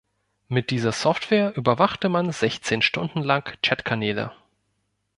Mit dieser Software überwachte man sechzehn Stunden lang Chat-Kanäle.